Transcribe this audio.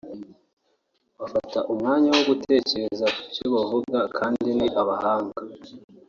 bafata umwanya wo gutekereza ku byo bavuga kandi ni abahanga